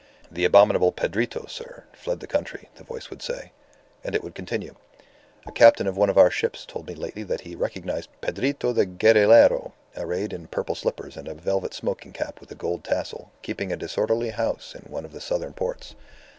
"The abominable Pedrito, sir, fled the country," the voice would say. And it would continue: "A captain of one of our ships told me lately that he recognized Pedrito the Guerrillero, arrayed in purple slippers and a velvet smoking cap with a gold tassel, keeping a disorderly house in one of the southern ports."